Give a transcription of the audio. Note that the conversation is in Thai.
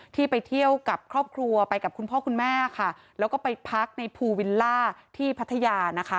ที่ไปเที่ยวกับครอบครัวไปกับคุณพ่อคุณแม่ค่ะแล้วก็ไปพักในภูวิลล่าที่พัทยานะคะ